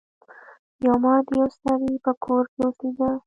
یو مار د یو سړي په کور کې اوسیده.